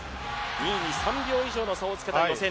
２位に３秒以上の差をつけた予選。